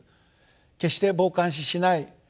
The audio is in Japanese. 決して傍観視しない。